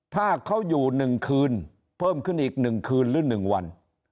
ถ้าเขาอยู่๑คืนเพิ่มขึ้นอีก๑คืนหรือ๑วัน